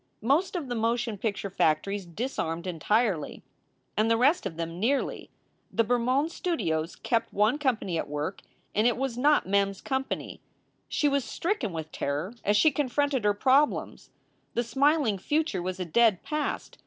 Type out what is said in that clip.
Most of the motion picture factories disarmed entirely, and the rest of them nearly. The Bermond Studios kept one company at work, and it was not Mem s company. She was stricken with terror as she confronted her prob lems. The smiling future was a dead past.